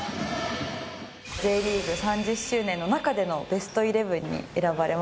Ｊリーグ３０周年の中でのベストイレブンに選ばれましたけれども。